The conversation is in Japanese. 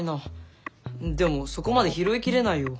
でもそこまで拾いきれないよ。